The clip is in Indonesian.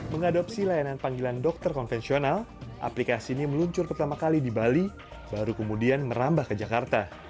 mengadopsi layanan panggilan dokter konvensional aplikasi ini meluncur pertama kali di bali baru kemudian merambah ke jakarta